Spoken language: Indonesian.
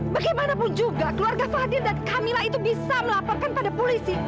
bagaimanapun juga keluarga fadil dan camilla itu bisa melaporkan pada polisi